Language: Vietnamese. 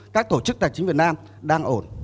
các tổ chức tài chính việt nam đang ổn